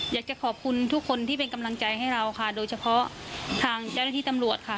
อยากจะขอบคุณทุกคนที่เป็นกำลังใจให้เราค่ะโดยเฉพาะทางเจ้าหน้าที่ตำรวจค่ะ